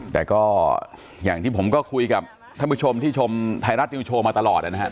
แต่ก็อย่างที่ผมก็คุยกับท่านผู้ชมที่ชมไทยรัฐนิวโชว์มาตลอดนะครับ